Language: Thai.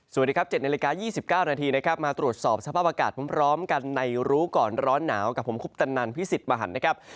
สวัสดีครับ๗นาฬิกา๒๙นาทีนะครับมาตรวจสอบสภาพอากาศพร้อมกันในรู้ก่อนร้อนหนาวกับผมคุปตันนันพิสิทธิ์มหันนะครับ